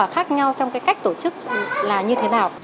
khác nhau trong cái cách tổ chức là như thế nào